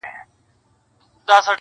o خاموسي تر ټولو درنه پاتې وي,